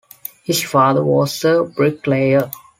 His father was a bricklayer.